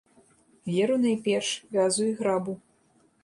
Веру найперш вязу і грабу.